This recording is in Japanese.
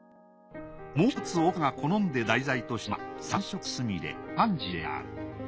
もう一つ岡が好んで題材としたのが三色すみれパンジーである。